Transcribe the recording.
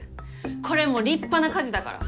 これも立派な家事だから。